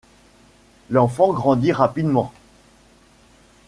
L'enfant grandit rapidement.